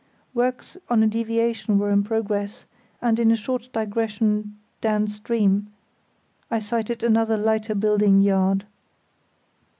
Works on a deviation were in progress, and in a short digression down stream I sighted another lighter building yard.